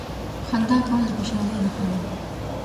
• خندا کول د خوشالۍ نښه ده.